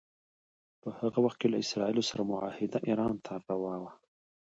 په هغه وخت کې له اسراییلو سره معاهده ایران ته روا وه.